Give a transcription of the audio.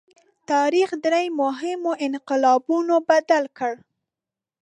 تاریخ درې مهمو انقلابونو بدل کړ.